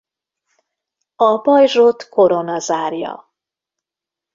A pajzsot korona zárja.